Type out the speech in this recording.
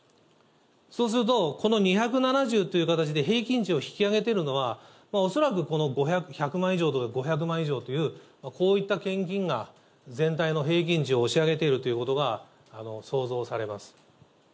そうすると、この２７０という形で平均値を引き上げてるのは、恐らく１００万円以上とか、５００万以上という、こういった献金が、全体の平均値を押し上げているということが想像されます。